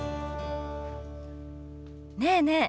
ねえねえ